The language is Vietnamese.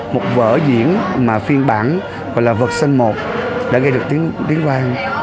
một vỡ diễn mà phiên bản gọi là vật sân một đã gây được tiếng vang